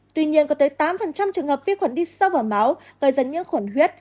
tuy nhiên có tới tám trường hợp vi khuẩn đi sâu vào máu gây dần những khuẩn huyết